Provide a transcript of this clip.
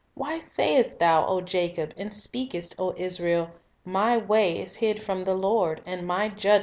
Why sayest thou, O Jacob, and speakest, O Israel, My way is hid from the Lord, and my judgment 'Gen. 9:16.